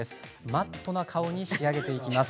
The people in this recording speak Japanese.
マットな顔に仕上げていきます。